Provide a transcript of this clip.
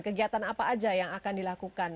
kegiatan apa aja yang akan dilakukan